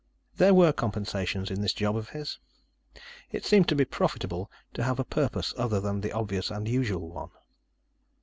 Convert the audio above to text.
There were compensations in this job of his. It seemed to be profitable to have a purpose other than the obvious and usual one.